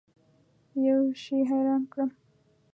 یوه شي حیران کړم.